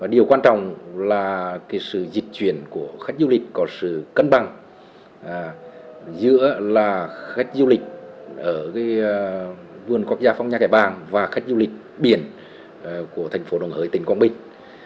điều quan trọng là sự dịch chuyển của khách du lịch có sự cân bằng giữa khách du lịch ở vườn quốc gia phong nha kẻ bàng và khách du lịch biển của thành phố đồng hới tỉnh quảng bình